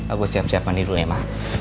aku siap siapan dulu ya ma